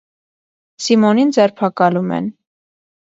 Սիմոնին ձերբակալում են։